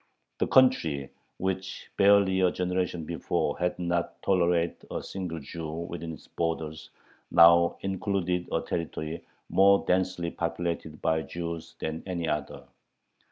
The country, which barely a generation before had not tolerated a single Jew within its borders, now included a territory more densely populated by Jews than any other.